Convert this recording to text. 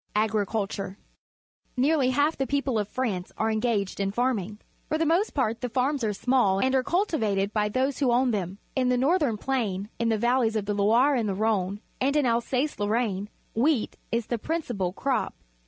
Agriculture. — N early half the people ^ of France are enga ged in farmi ng. For the most part the farms are small and are cultivated by those who own them. In the northern plain, in the vaUej's of the Loire and the Rhone, and in Alsace Lorraine, wheat is the principal crop.